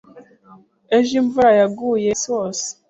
Ejo imvura yaguye umunsi wose.